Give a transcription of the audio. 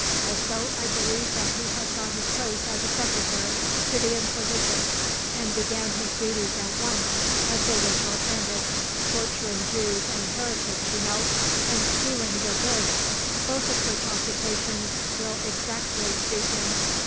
Also, I believe that he has got his post as a secretary to the Inquisition, and began his duties at once as they were short handed, torturing Jews and heretics, you know, and stealing their goods, both of which occupations will exactly suit him.